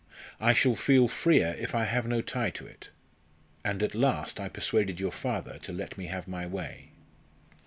I shall feel freer if I have no tie to it. And at last I persuaded your father to let me have my way."